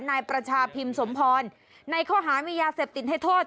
นายประชาพิมพ์สมพรในข้อหามียาเสพติดให้โทษ